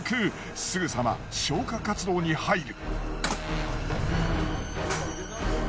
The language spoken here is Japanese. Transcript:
すぐさま消火活動に入る。